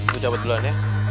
gue cabut duluan ya